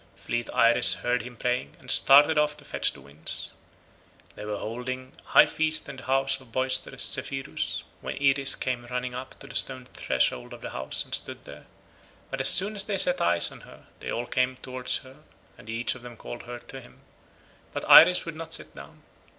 Fleet Iris heard him praying and started off to fetch the winds. They were holding high feast in the house of boisterous Zephyrus when Iris came running up to the stone threshold of the house and stood there, but as soon as they set eyes on her they all came towards her and each of them called her to him, but Iris would not sit down.